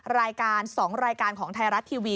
รายการ๒รายการของไทยรัฐทีวี